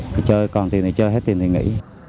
cái chơi còn tiền thì chơi hết tiền thì nghỉ